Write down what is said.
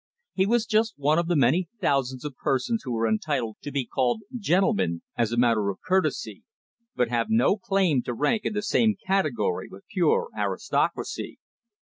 He was just one of the many thousands of persons who are entitled to be called gentlemen, as a matter of courtesy, but have no claim to rank in the same category with pure aristocracy.